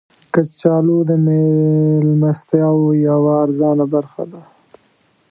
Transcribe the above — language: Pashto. کچالو د میلمستیاو یوه ارزانه برخه ده